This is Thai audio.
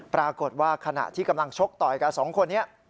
ปรากฏว่าขณะที่กำลังชกต่อยกับสองคนนี้